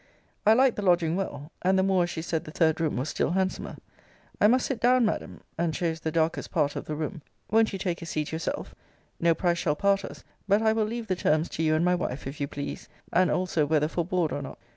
I liked the lodging well; and the more as she said the third room was still handsomer. I must sit down, Madam, [and chose the darkest part of the room]: Won't you take a seat yourself? No price shall part us but I will leave the terms to you and my wife, if you please. And also whether for board or not.